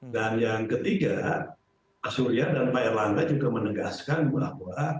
dan yang ketiga pak surya dan pak erlangga juga menegaskan bahwa